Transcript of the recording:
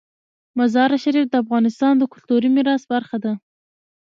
مزارشریف د افغانستان د کلتوري میراث برخه ده.